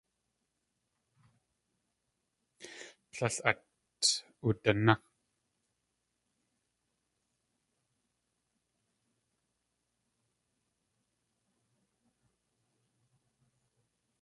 Tlél at udaná.